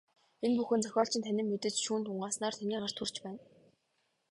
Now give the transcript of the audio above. Энэ бүхэн зохиолчийн танин мэдэж, шүүн тунгааснаар таны гарт хүрч байна.